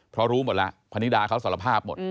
เพราะรู้หมดแล้วพนิดาเขาสารภาพหมด